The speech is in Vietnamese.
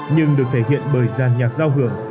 nhưng được thể hiện bởi giàn nhạc giao hưởng